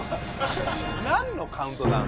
何のカウントダウン？